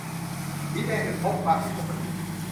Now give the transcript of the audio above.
- สีแดงคือ พบความผิดปกติ